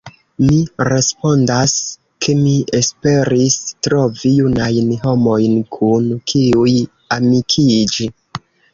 Mi respondas, ke mi esperis trovi junajn homojn kun kiuj amikiĝi.